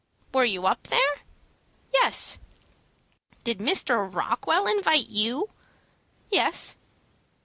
"Were you up there?" "Yes." "Did Mr. Rockwell invite you?" "Yes."